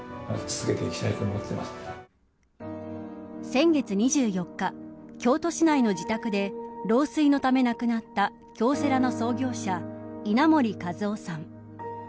先月２４日京都市内の自宅で老衰のため亡くなった京セラの創業者稲盛和夫さん